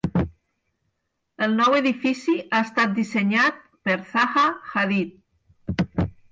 El nou edifici ha estat dissenyat per Zaha Hadid.